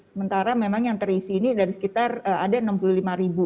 sementara memang yang terisi ini dari sekitar ada enam puluh lima ribu